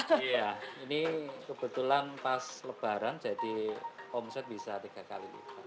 iya ini kebetulan pas lebaran jadi omset bisa tiga kali lipat